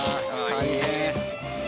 大変。